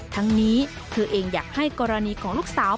ทั้งนี้เธอเองอยากให้กรณีของลูกสาว